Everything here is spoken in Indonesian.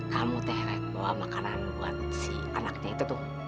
kamu teh bawa makanan buat si anaknya itu tuh